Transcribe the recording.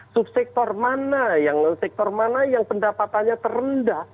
subsektor mana yang pendapatannya terendah